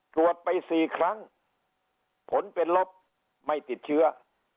ตรวจไป๔ครั้งผลเป็นลบไม่ติดเชื้อ